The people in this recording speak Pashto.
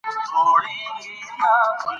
بدخشان د افغانستان د طبعي سیسټم توازن ساتي.